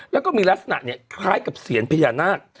แล้วก็มีลักษณะคล้ายกับเสียญพญานาค